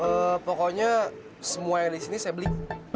eh pokoknya semua yang ada di sini saya beli